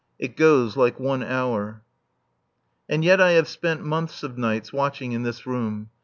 It goes like one hour. And yet I have spent months of nights watching in this room.